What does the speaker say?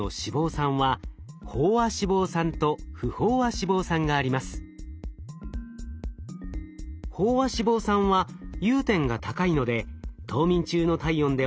飽和脂肪酸は融点が高いので冬眠中の体温では固まってしまいます。